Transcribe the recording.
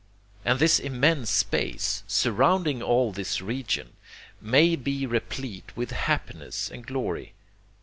And this immense space, surrounding all this region, ... may be replete with happiness and glory.